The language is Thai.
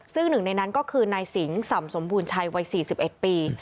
ซึ่งหนึ่งในนั้นก็คือนายสิงสำสมบูรณ์ชัยวัย๔๑ปี